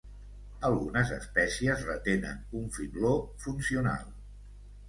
Algunes espècies retenen un fibló funcional.